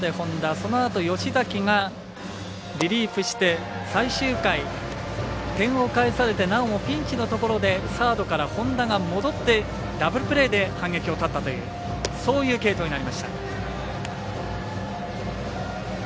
そのあと吉崎がリリーフして最終回、点を返されてなおもピンチのところでサードから本田が戻ってダブルプレーで反撃を断ったというそういう継投になりました。